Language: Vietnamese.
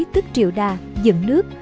tức triệu đà dựng nước